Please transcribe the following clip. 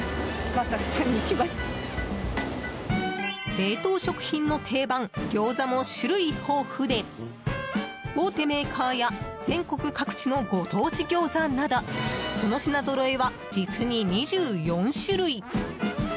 冷凍食品の定番、ギョーザも種類豊富で大手メーカーや全国各地のご当地ギョーザなどその品ぞろえは実に２４種類。